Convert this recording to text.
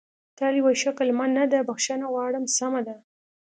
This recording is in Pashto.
تل یوه ښه کلمه نه ده، بخښنه غواړم، سمه ده.